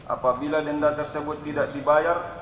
apabila denda tersebut tidak dibayar